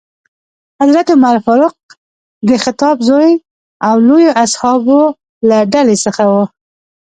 حضرت عمر فاروق د خطاب زوی او لویو اصحابو له ډلې څخه ؤ.